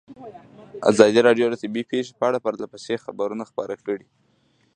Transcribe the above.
ازادي راډیو د طبیعي پېښې په اړه پرله پسې خبرونه خپاره کړي.